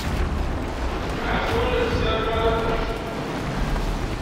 Lḥaṣul, ssarameɣ ad kent-gzunt.